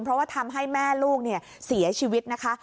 เพราะว่าทำให้แม่ลูกเสียชีวิตนะคะ